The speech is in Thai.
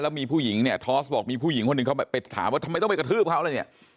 มีผู้หญิงเนี่ยทอสบอกมีผู้หญิงคนหนึ่งเขาไปถามว่าทำไมต้องไปกระทืบเขาเลยเนี่ย